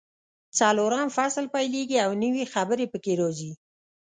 څلورلسم فصل پیلېږي او نوي خبرې پکې راځي.